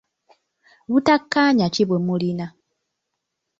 Butakkaanya ki bwe mulina?